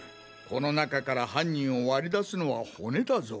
この中から犯人を割り出すのは骨だぞ。